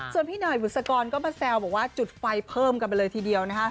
ส่วนพี่หน่อยบุษกรก็มาแซวบอกว่าจุดไฟเพิ่มกันไปเลยทีเดียวนะคะ